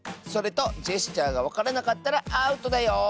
それとジェスチャーがわからなかったらアウトだよ！